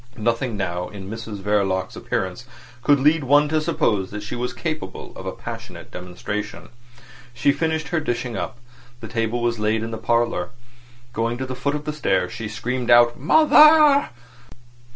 Nothing now in Mrs Verloc's appearance could lead one to suppose that she was capable of a passionate demonstration. She finished her dishing up. The table was laid in the parlour. Going to the foot of the stairs, she screamed out "Mother!"